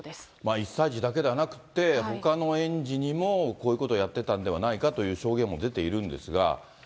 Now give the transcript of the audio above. １歳児だけではなくて、ほかの園児にもこういうことやってたんではないかという証言も出ているんですが。